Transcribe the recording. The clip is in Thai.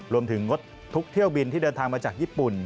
งดทุกเที่ยวบินที่เดินทางมาจากญี่ปุ่น